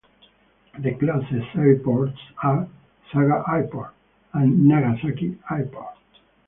The closest airports are Saga Airport and Nagasaki Airport.